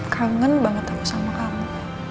kangen banget kamu sama kamu